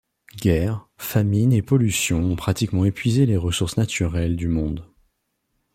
Guerre, famine et pollution ont pratiquement épuisé les ressources naturelles du monde.